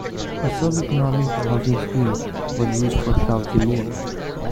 A sub-economic housing scheme was used for Sharpeville.